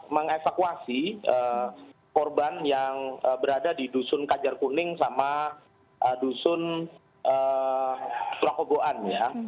mengevakuasi korban yang berada di dusun kajar kuning sama dusun prokoboan ya